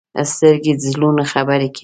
سترګې د زړونو خبرې کوي